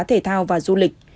thể thao và du lịch